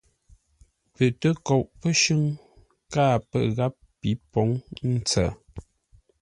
Pə tə́koʼó pəshʉ̌ŋ káa pə́ ngáp pi pǒŋ ə́ ntsə̌.